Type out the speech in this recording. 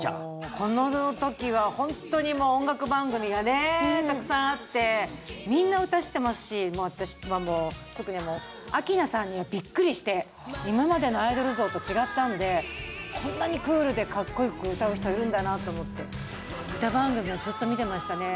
この時は本当に音楽番組がたくさんあってみんな、歌を知っていますし私は特に明菜さんにはびっくりして今までのアイドル像と違ったのでこんなにクールでかっこよく歌う人いるんだなと思って歌番組はずっと見てましたね。